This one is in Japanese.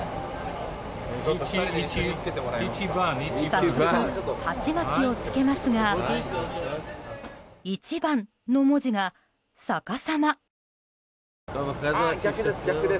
早速鉢巻きを着けますが「一番」の文字が逆さま。